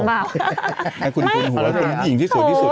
แม่คุณขวัลหัวคุณหญิงที่สวยที่สุด